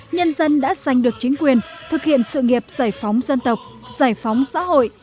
nhân dân đã giành được chính quyền thực hiện sự nghiệp giải phóng dân tộc giải phóng xã hội